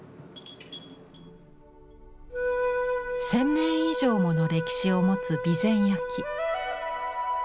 １，０００年以上もの歴史を持つ備前焼。